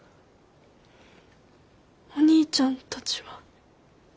お兄ちゃんたちは。